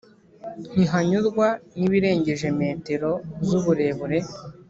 Ntihanyurwa n'ibirengeje metero , z'uburebure